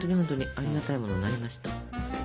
有り難いものになりました。